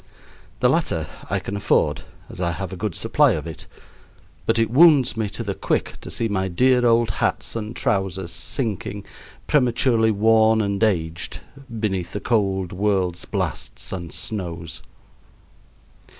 The latter I can afford, as I have a good supply of it, but it wounds me to the quick to see my dear old hats and trousers sinking, prematurely worn and aged, beneath the cold world's blasts and snows.